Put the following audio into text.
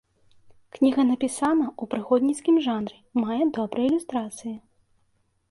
Кніга напісана ў прыгодніцкім жанры, мае добрыя ілюстрацыі.